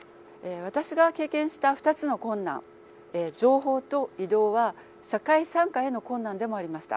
私が経験した２つの困難情報と移動は社会参加への困難でもありました。